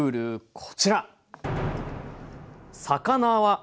こちら！